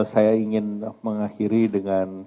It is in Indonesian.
saya ingin mengakhiri dengan